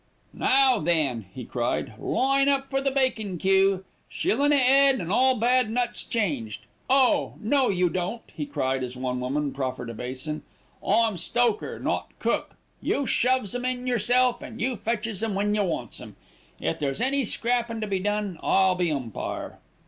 "Now then," he cried, "line up for the bakin' queue. Shillin' a 'ead an' all bad nuts changed. Oh! no, you don't," he cried, as one woman proffered a basin. "I'm stoker, not cook. You shoves 'em in yourself, an' you fetches 'em when you wants 'em. If there's any scrappin' to be done, I'll be umpire."